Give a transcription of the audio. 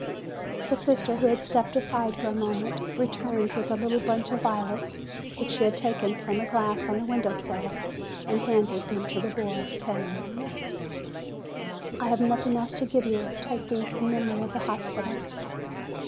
The sister, who had stepped aside for a moment, returned with a little bunch of violets which she had taken from a glass on the window sill, and handed them to the boy, saying : 142 FEBRUARY "I have nothing else to give you. Take these in memory of the hospital."